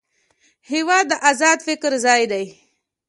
هېواد د ازاد فکر ځای دی.